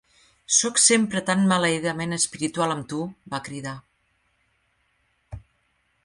"Sóc sempre tan maleïdament espiritual amb tu!" va cridar.